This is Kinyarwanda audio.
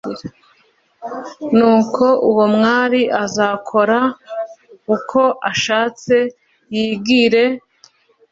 nuko uwo mwami azakora uko ashatse yigire